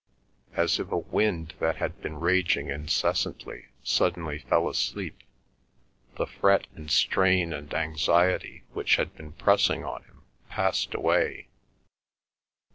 As if a wind that had been raging incessantly suddenly fell asleep, the fret and strain and anxiety which had been pressing on him passed away.